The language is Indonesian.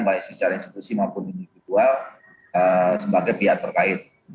baik secara institusi maupun individual sebagai pihak terkait